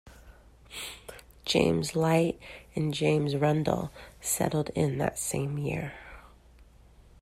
James Light and James Rundle settled in that same year.